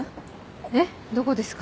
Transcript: えっどこですか？